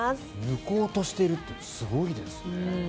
抜こうとしているというのはすごいですね。